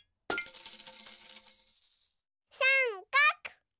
さんかく！